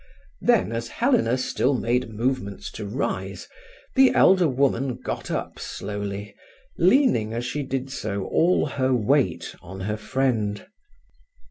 Then, as Helena still made movements to rise, the elder woman got up slowly, leaning as she did so all her weight on her friend.